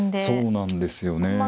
そうなんですよね。